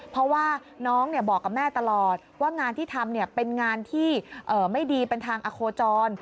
เพราะว่าน้องบอกกับแม่ตลอดว่างานที่ทำเป็นงานที่ไม่ดีเป็นทางอโคจร